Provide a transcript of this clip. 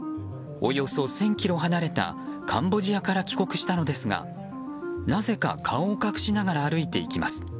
およそ１０００ｋｍ離れたカンボジアから帰国したのですがなぜか、顔を隠しながら歩いていきます。